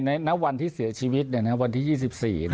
ในวันที่เสียชีวิตเนี่ยนะครับวันที่๒๔